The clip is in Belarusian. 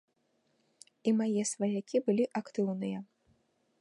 І мае сваякі былі актыўныя.